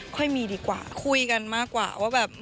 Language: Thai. ค่อยมีดีกว่าคุยกันมากกว่าว่าแบบ